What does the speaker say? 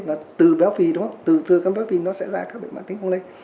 và từ béo phì đó từ từ các béo phì nó sẽ ra các bệnh mặn tính không lấy